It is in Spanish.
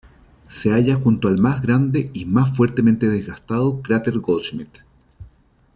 Se halla junto al más grande y más fuertemente desgastado cráter Goldschmidt.